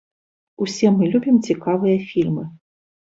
Усе мы любім цікавыя фільмы.